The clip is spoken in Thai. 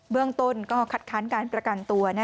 เรื่องต้นก็คัดค้านการประกันตัว